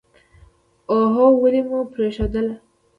اوهووو ولې مو پرېښودله.